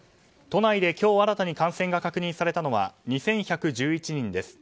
都内で今日新たに感染が確認されたのは２１１１人です。